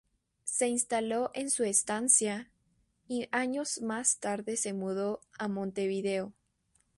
Se instaló en su estancia, y años más tarde se mudó a Montevideo.